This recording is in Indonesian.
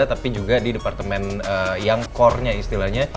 tapi juga di departemen yang corenya istilahnya